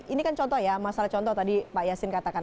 ini kan contoh ya masalah contoh tadi pak yasin katakan